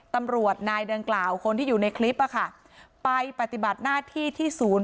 ตำรวจนายดังกล่าวคนที่อยู่ในคลิปอะค่ะไปปฏิบัติหน้าที่ที่ศูนย์